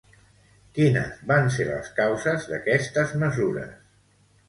Quines van ser les causes d'aquestes mesures?